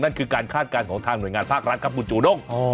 คือการคาดการณ์ของทางหน่วยงานภาครัฐครับคุณจูด้ง